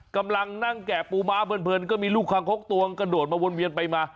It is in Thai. กำลังนั่งแกะปูม้าเพลินก็มีลูกคางคกตวงกระโดดมาวนเวียนไปมา